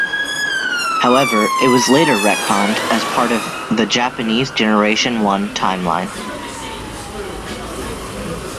However, it was later retconned as part of the Japanese Generation One timeline.